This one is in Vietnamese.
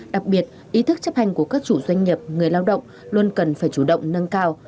đặc biệt ý thức chấp hành của các chủ doanh nghiệp người lao động luôn cần phải chủ động nâng cao